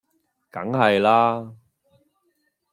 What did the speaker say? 梗係啦